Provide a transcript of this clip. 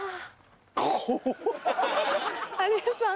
有吉さん